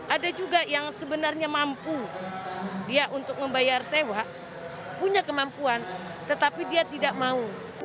ada juga yang sebenarnya mampu dia untuk membayar sewa punya kemampuan tetapi dia tidak mau